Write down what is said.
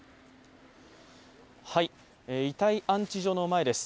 遺体安置所の前です。